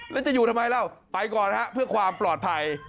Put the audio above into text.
แล้วจะอยู่ทำไมล่ะไปก่อนฮะเพื่อความปลอดภัย